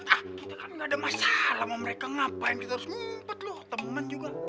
ah kita kan gak ada masalah sama mereka ngapain kita harus ngumpet loh teman juga